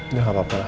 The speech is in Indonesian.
udah gak apa apa lah